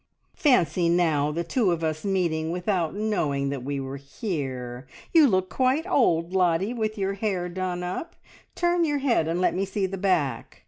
"Fancy, now, the two of us meeting without knowing that we were here! You look quite old, Lottie, with your hair done up. Turn your head and let me see the back!